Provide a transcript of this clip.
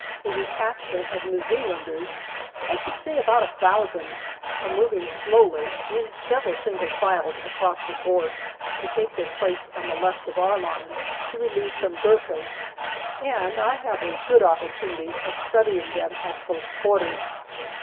A detach ment of New Zealanders, I should say about a thousand, are moving slowly in several single files across the gorse to MAY 75 take their place on the left of our line to relieve some Gurkhas, and I have a good opportunity of studying them at close quarters.